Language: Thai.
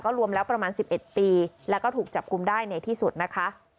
รวมแล้วประมาณ๑๑ปีแล้วก็ถูกจับกลุ่มได้ในที่สุดนะคะ